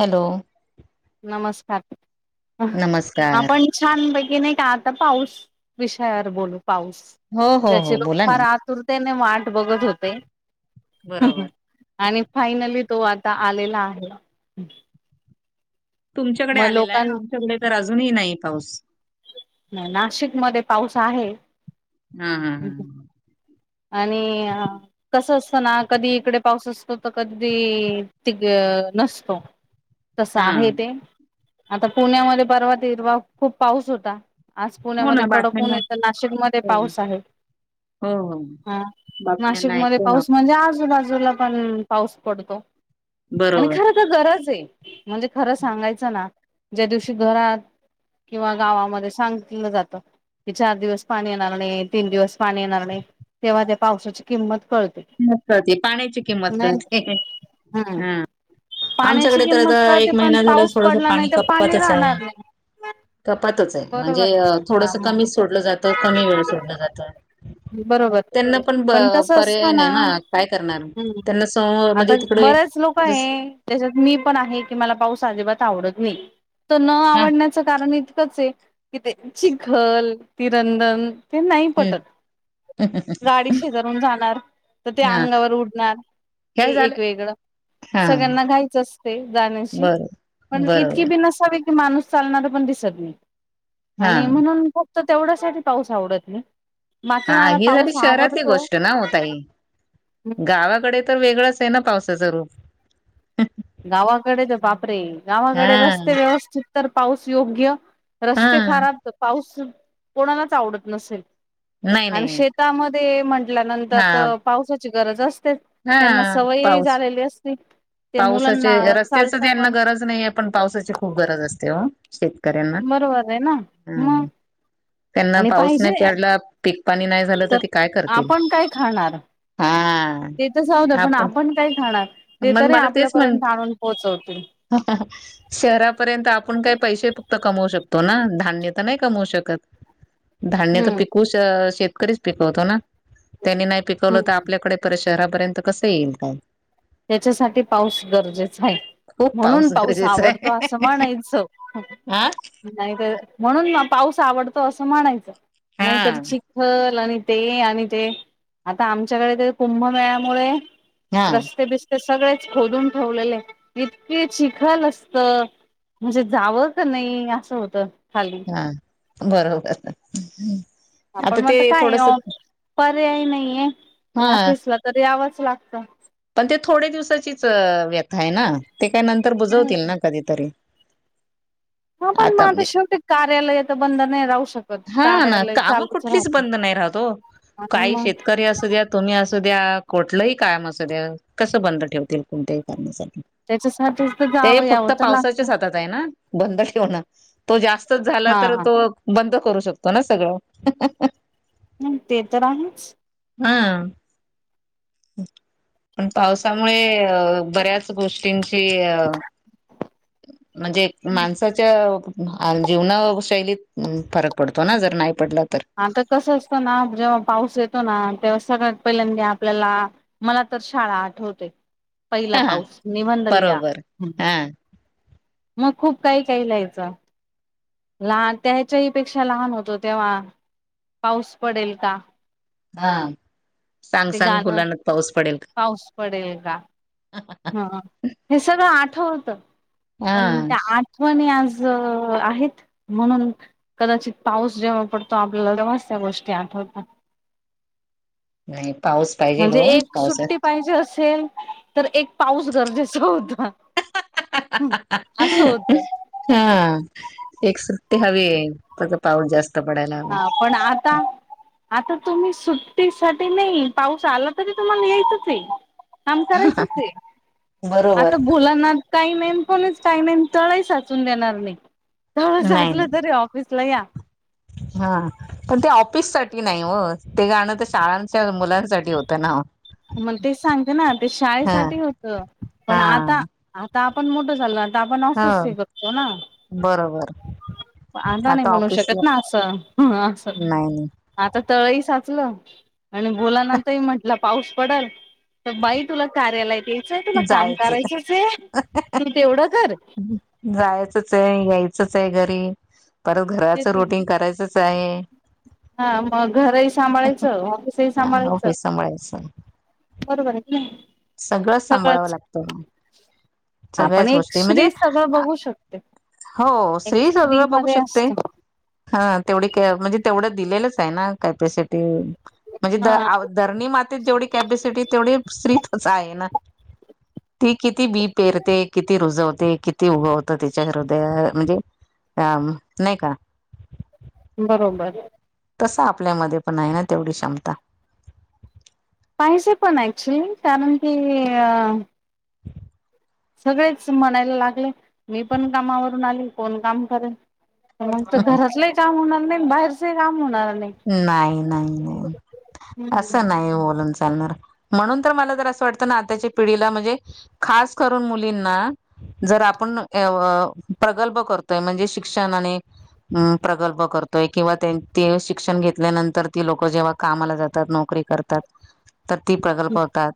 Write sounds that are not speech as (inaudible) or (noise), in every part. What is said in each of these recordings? Hello. नमस्कार. नमस्कार आपण- छानपैकी नाही का आता पाऊस विषयावर बोलू पाऊस. हो हो ज्याचे हो लोक बोला फार ना. आ- -तुरतेन वाट बघत होते. बरोबर आणि फायनली तो आता आलेला आहे. तुमच्याकडे मग आलेला लोकां आहे. आमच्याकडे तर अजूनही नाहीए पाऊस. नाही नाशिक मध्ये पाऊस आहे. हं. हं. हं. आणि- कसं असतं ना? कधी इकडे पाऊस असतो, तर कधी ती नसतो. तस हा आहे ते. आता पुण्यामध्ये परवा तेरवा खूप पाऊस होता. आज हो ना पुण्यामध्ये कडक ऊन बातम्यांना आहे. तर नाशिकमध्ये हो पाऊस आहे. हो. हो. हां. बातम्यांना नाशिकमध्ये ऐकतो ना पाऊस आपण. म्हणजे आजूबाजूला पण पाऊस पडतो. आणि बरोबर खरं तर गरज ए. म्हणजे खरं सांगायचं ना? ज्या दिवशी घरात- किंवा गावामध्ये सांगितलं जातं- की चार दिवस पाणी येणार नाही. तीन दिवस पाणी येणार नाही. तेव्हा त्या पावसाची किंमत कळते. किंमत कळते. पाण्याची किंमत नाही कळते. हम्म हां. पाण्याची आमच्याकडे तर किंमत आता कळते एक पण महिना झाला पाऊस थोडस पडला नाही पाणी तर कपातच राहणार आहे. नाही कपातच आहे. बरोबर म्हणजे आहे ना हा थोडसं मग कमीच सोडलं जातं. कमी वेळ सोडलं जातं. बरोबर. त्यांना पण ब- हो पर्याय ना. नाही काय करणार हं. त्यांना स आता म्हणजे तिकडे बरेच लोक जस ए - त्याच्यात मी पण आहे. की मला पाऊस अजिबात आवडत नाही. त न हा आवडण्याचं कारण इतकंच आहे कि ते चिखल ती रंदण- ते नाही पटत. हम्म. गाडी शेजारून जाणार, तर ते हा अंगावर उडणार ते हे झालं एक वेगळं. हा सगळ्यांना घाईचं असते जाण्याची. बरोबर पण इतकी बरोबर बि नसावी- ती माणूस चालणार पण दिसत नाई हा आणि म्हणून फक्त तेवढ्यासाठी पाऊस आवडत नाय. बाकी मला हि झाली पाऊस शहरातली आवडतो. गोष्ट ना ओ ताई, हम्म गावाकडे तर वेगळंच आय ना पावसाचं रूप. गावाकडे तर बापरे हा गावाकडे रस्ते व्यवस्थित तर पाऊस योग्य. हा रस्ते खराब तर पाऊस कोणालाच आवडत नसेल. नाही आणि नाही शेत तामध्ये म्हंटल्यानंतर हा तर पावसाची गरज असते त्यांना हा सवयही पाऊस झालेली अस ते. पावसाचे मुलांना रस्त्याच चालतं त्यांना पण गरज नाइया पण पावसाची खूप गरज असते ओ. शेतकऱ्यांना बरोबर आहे ना मग हम्म त्यांना आणि पाऊस नाय पाहिजे प्याडला पीक पाणी नाय झालं तर ती काय करतील? आपण काय खाणार हां. ते तर जाऊद्या पण आपण काय खाणार ते मग तरी मला तेच म्हण आपल्यापर्यंत आणून पोहोचवतील. (inaudible) शहरापर्यंत आपण काय पैसे फक्त कमवू शकतो ना धान्य तर नाय कमवू शकत. (inaudible) धान्य त पिकवू शेतकरीच पिकवतो ना त्यांनी नाय पिकवलं त आप हम्म पल्याकडे पर शहरापर्यंत कसं येईल काय? त्याच्यासाठी पाऊस गरजेचाय. खूप म्हणून पाऊस गरजेचा आवडतो आहे असं म्हणायच. हा नाय तर म्हणून म पाऊस आवडतो असं म्हणायचं नायतर हा चिक खल आणि ते आणि ते आता आमच्याकडे ते कुंभमेळ्यामुळे हा रस्ते बिस्ते सगळेच खोदून ठेवलेले इतके चिखल असत. म्हणजे जावं का नई असं होतं खाली. हा बरोबर आपण आता मग ते काय थोडस पर्याय नाहीये हा ऑफिसला तर यावंच लागतं. पण ते थोडे दिवसाचीच व्यथा आय ना ते काय नंतर बुजवतील ना कधीतरी. हा पण म आता शेवटी कार्यालय तर बंद नाय राहू शकत हा ना कार्यालय कामं चालू कुठलीच बंद नाय राहत ओ काही मग शेतकरी असूद्यात तुम्ही असु द्या कोठलंही काम अस द्या कसं बंद ठेवतील कोणत्याही करण्यासाठी? त्याच्यासाठीच त जावं यावं त लागतं. हातात ना बंद ठेवण तो जास्तच झाला हा तर तो बंद करू शकतो ना सगळं. हम्म ते तर आहेच. आ? पण पावसामुळे बऱ्याच गोष्टींची अ म्हणजे माणसाच्या आ जीवनाशैलीत फरक पडतो ना जर नाय पडला तर. आता कसं असत ना जेव्हा पाऊस येतो ना तेव्हा सगळ्यात पहिल्यांदा आपल्याला मला तर शाळा आठवते पहिला हा पाऊस निबंध लिहा. बरोबर हा मग खूप काही काही लिहायचं. लहान त्या याच्याही पेक्षा लहान होतो तेव्हा पाऊस पडेल का? हा सांग ते सांग गाणं भोलानाथ पाऊस पडेल का? पाऊस पडेल का? (inaudible) ह हे सगळं आठवत का हा पण त्या आ ठवणी आज आहेत म्हणून कदाचित पाऊस जेव्हा पडतो आपल्याला तेव्हाच त्या गोष्टी आठवतात. नाही पाऊस पाहिजेल म्हणजे हो एक पावसात सुट्टी पाहिजे असेल, तर एक पाऊस गरजेच होता. असं होत (unintelligible) हा एक सुट्टी हवीये. फक्त पाऊस जास्त पडायला हवा. हा पण आता आता तुम्ही सुट्टीसाठी नाही. पाऊस आला तरी तुम्हाला यायचचे. काम करायचचे. आता बरोबर भोलानाथ काही नाहीन. कोणच काही नाही न. तळाही साचून देणार नाही. तळ नाही नाही. साचलं तरी ऑफिसला या. हा पण ते ऑफिस साठी नाही हो. ते गाणं तर शाळांच्या मुलांसाठी होतं ना. मग तेच सांगते ना. ते हा शाळेसाठी होत. पण हा आता आता आपण मोठं झालो. आता आपण ऑफिस हे हो करतो ना. बरोबर अता नाही आता म्हणू ऑफिसला शकत ना असं. ह अस. नाही. आता तळही साचलं. आणि बोलाना आताही म्हटला पाऊस पडल. त बाई तुला कार्यालायत य यचय. तुला काम जायचं करायचचे. तू तेवढं कर. जायचचे. यायचंचे घरी. परत ते घराचं तर रुटींग करायचचे. हा मग घरही सांभाळायचं. ऑफिसही सांभाळायचं. ऑफिस सांभाळायचं बरोबरे की नाही. सगळं सांभाळावं सगळंच लागतं. सगळ्याच आपण एक गोष्टी. म्हणजे स्त्री सगळं बघू शकते हो एका स्त्री सगळं बघू मध्ये शकते. असत ह तेवढी म्हणजे, तेवढं दिलेलंच आहे ना कॅपिसिटी. म्हणजे हा धरणी मातेत जेवढी कॅपेसिटी. तेवढी स्रीतच आहे ना. ती किती बी पेरते. किती रुजवते. किती उगवतं त्याच्या घरोन. ते म्हणजे अम नाही का? बरोबर. तसं आपल्यामध्ये पण आहे ना, तेवढी क्षमता. पाहिसेे पण ॲक्चुअली कारण की, अ (inaudible) सगळेच म्हणायला लागले. मी पण कामावरून आली. कोण काम करेल? मग त घरातलंही काम होणार नाहीन. बाहेरचही काम होणार नाही. नाही नाही नाही. असं हम्म नाही बोलून चालणार. म्हणून तर मला जर असं वाटतं ना, आताच्या पिढीला. म्हणजे खास करून मुलींना. जर आपण अ प्रगल्भ करतोय. म्हणजे शिक्षण आणि अ प्रकल्प करतोय. किंवा ते ती अशी शिक्षण घेतल्यानंतर ती लोक जेव्हा कामाला जातात. नोकरी करतात. तर ती प्रगल्प होतात.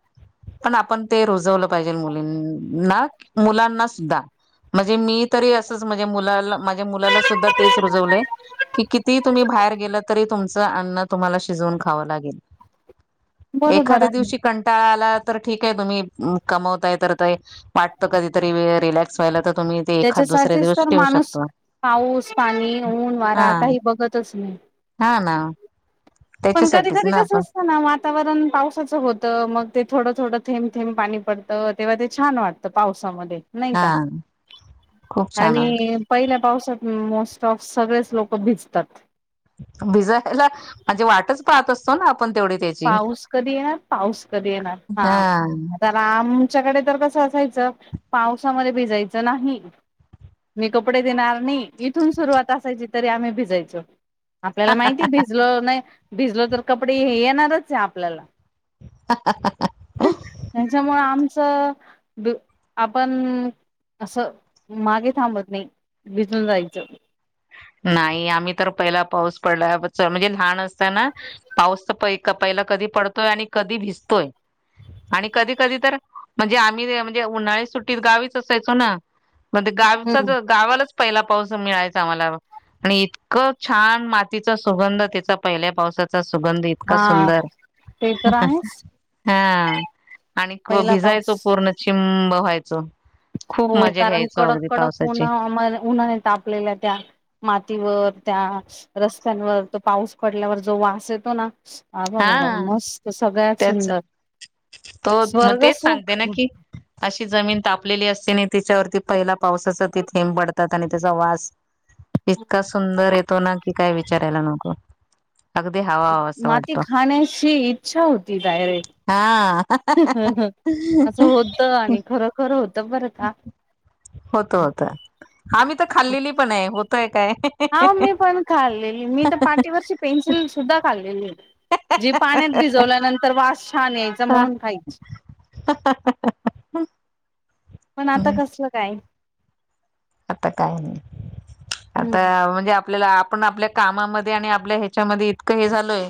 पण आपण ते रुजवलं पाहिजे मुलींना. मुलांना सुद्धा. म्हणजे मी तरी असंच म्हणजे मुलाला. माझ्या मुलाला सुद्धा तेच रुजवलंय. कि किती तुम्ही बाहेर गेलत. तरी तुमच अन्न तुम्हाला शिजवून खावा लागेल. बरोबर एखाद्या आहे दिवशी कंटाळा आला तर ठीके. तुम्ही कमवताय तर ते वाटत कधीतरी रिलॅक्स व्हायला तर तुम्ही ते एखाद दुसऱ्या त्याच्यासाठीच दिवस तर ठेवू माणूस शकतो पाऊस, पाणी, ऊन, हा वारा काही बघतच नाही. हा ना, पण कधी त्याच्यासाठीच कधी ना आपण कस. ना वातावरण पावसाचं होतं मग ते थोडं थोडं थेंब थेंब पाणी पडतं तेव्हा ते छान वाटत. पावसामध्ये नाही हा का खूप छान वाटत आणि. पहिल्या पावसात मोस्ट ऑफ सगळेच लोक भिजतात. भिजायला म्हणजे वाटच पाहत असतो ना आपण तेवढी ते. पाऊस कधी येणार पाऊस कधी येणार हा. का रामच्याकडे तर कसं असायचं पावसामध्ये भिजायचं नाही. मी कपडे देणार नाही इथून सुरुवात असायची तरी आम्ही भिजायचो. आपल्याला माहिती आहे भिजल नाही भिजल तर कपडे हे येणारच आहे आपल्याला. (inaudible) त्याच्यामुळ आमचं बीप आपण. असं मागे थांबत नाही भिजून जायचं. नाई आम्ही तर पहिला पाऊस पडला च म्हणजे लहान असताना. पाऊसचा पै पहिला कधी पडतोय आणि कधी भिजतोय. आणि कधी कधी तर म्हणजे आम्ही म्हणजे उन्हाळी सुट्टीत गावीच असायचो ना. म ते गावचा हम्म गावालाच पहिला पाऊस मिळायचा आम्हाला. आणि इतकं छान मातीचा सुगंध त्याचा पहिल्या पावसाात. चा सुगंध इतका हा सुंदर. ते तर आहेच हां आणिक पहिला पाऊस भिजायचो पूर्ण. चिंब व्हायचो. हो खूप मजा कारण घ्यायचो कडक अगदी कडक पावसाची उन्हा उन्हा नी तापलेल्या त्या. मातीवर त्या रस्त्यांवर तो पाऊस पडल्यावर जो वास येतो ना. आबा बाबा हा मस्त सगळ्यात त्याच सुंदर तो मग स्वर्ग तेच सुुख. सांगते ना की अशी जमीन तापलेली असते आणि त्यािच्यावरती पहिला पावसाचा ते थेंब पडतात आणि त्याचा वास. इतका सुंदर येतो ना कि काय विचारायला नको अगदी हा. माती खाण्याची इच्छा होती डायरेक्ट. हा हा हा हा हा, त आणि खर खर होत बरं का. होत होत आम्ही तर खाल्लेली पण आहे होतय काय. हा मी पण खाल्लेली मी त पाटीवरची पेन्सिल सुद्धा खाल्लेली. जी पाण्यात भिजवल्यानंतर वास छान यायचा म्हणून खायची. (inaudible) पण आता नाही कसलं काय. आता काय हम्म आता म्हणजे आपल्याला. पण आपल्या कामा आणि आपल्या ह्याच्यामध्ये इतकं हे झालय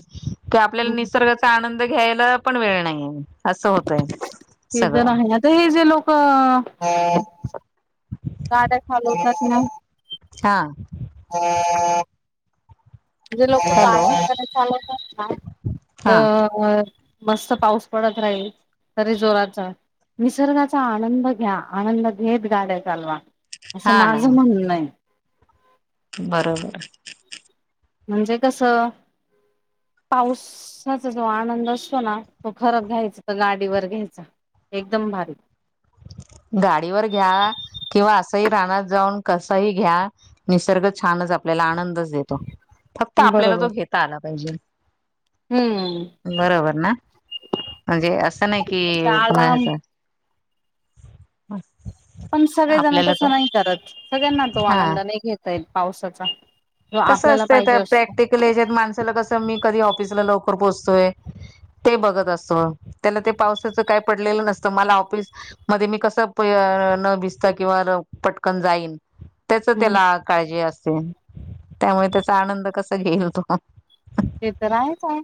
की आपल्याला हम्म निसर्गच. चा आनंद घ्यायला पण वेळ नाहीे असं होतय सगळं. त हे जे लोक. गाड्या चालवतात ना. हा, ह (inaudible) जे लोक हॅलो गाड्या वगैरे चालवतात ना हा तवर. मस्त पाऊस पडत राहील. तरी जोराचा निसर्गाचा आणंद घ्या आणंद घेत गाड्या चालवा. असं हा ना माझं म्हणणं आहे. बरोबर. म्हणजे कस? पावसाचा जो आनंद असतो ना. तो खरं घ्यायचा तर गाडीवर घ्यायचा. एकदम भारी. गाडीवर घ्या. किंवा असंही रानात जाऊन कसही घ्या. निसर्ग छानच आपल्याला आनंदच देतो. फक्त आपल्याला बरोबर. तो घेता आला पाहिजे. हम्म. बरोबर ना. म्हणजे असं नाही कि त्याला माणसं हम. पण सगळेजण तसं नाही करत. सगळ्यांना तो हा आनंद नाही घेता येत पावसाचा. जो कसं आपल्याला असतं पाहिजे त्या असतो. प्रॅक्टिकल याच्यात माणसाला कसं मी कधी ऑफिसला लवकर पोहोचतोय. ते बघत असतो. त्याला ते पावसाचं काय पडलेलं नसतं. मला ऑफिस मध्ये मी कसं न भिजता किंवा पटकन जाईन. त्याच हम्म त्याला काळजी असते. त्यामुळे त्याचा आनंद कसा घेईल तो. ते तर आहेच आहे.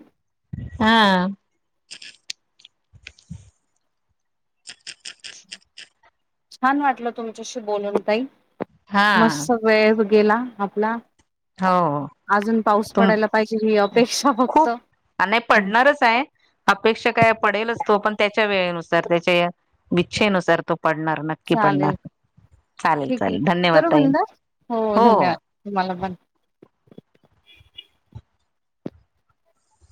हा. छान वाटलं तुमच्याशी बोलून ताई. हा मस्त वेळ गेला आपला. हो ओ. आजून पाऊस तुम पडायला पाहिजे ही अपेक्षा फक्त खूप आणि पडणारच आहे. अपेक्षा काय पडेलच तो पण त्याच्या वेळेनुसार त्याच्या या इच्छेनुसार तो पडणार नाही. नक्की पडणार. चालेल चालेल ठीक आहे चालेल धन्यवाद करू ताई बंद हो हो हो. धन्यवाद तुम्हाला पण,